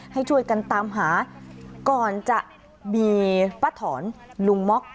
ให้ช่วยกันตามหาก่อนจะมีป้าถอนลุงม็อก